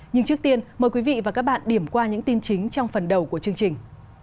nhưng trước tiên mời quý vị và các bạn điểm qua những tin chính trong phần đầu của chương trình